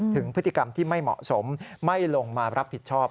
ถึงพฤติกรรมที่ไม่เหมาะสมไม่ลงมารับผิดชอบ